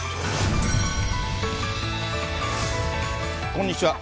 こんにちは。